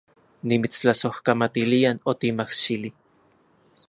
Nimitstlasojkamatilia otimajxili